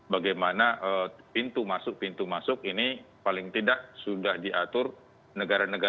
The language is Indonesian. bagaimana pintu masuk pintu masuk ini paling tidak sudah diatur negara negara